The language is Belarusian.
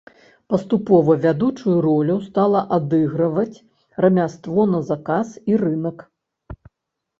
Паступова вядучую ролю стала адыгрываць рамяство на заказ і рынак.